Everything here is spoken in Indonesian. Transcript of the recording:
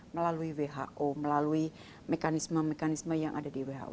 melalui who melalui mekanisme mekanisme yang ada di who